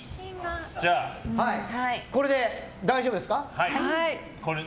これで大丈夫ですか。